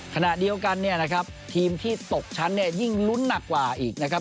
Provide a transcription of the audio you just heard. ขณะเดียวกันเนี่ยนะครับทีมที่ตกชั้นเนี่ยยิ่งลุ้นหนักกว่าอีกนะครับ